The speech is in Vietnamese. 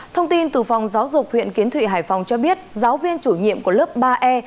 thông tin từ phòng giáo dục huyện kiến thụy hải phòng cho biết giáo viên chủ nhiệm của lớp ba e